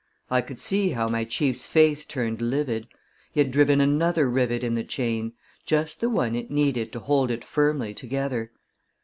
I could see how my chief's face turned livid. He had driven another rivet in the chain just the one it needed to hold it firmly together.